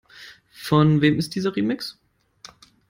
Von wem ist dieser Remix?